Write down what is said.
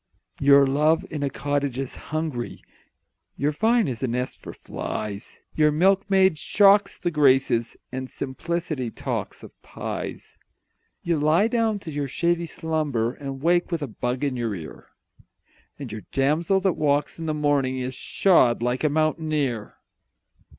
Your love in a cottage is hungry, Your vine is a nest for flies Your milkmaid shocks the Graces, And simplicity talks of pies! You lie down to your shady slumber And wake with a bug in your ear, And your damsel that walks in the morning Is shod like a mountaineer.